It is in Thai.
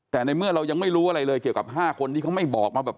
แต่ในเมื่อเรายังไม่รู้อะไรเลยเกี่ยวกับ๕คนที่เขาไม่บอกมาแบบ